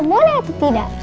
boleh atau tidak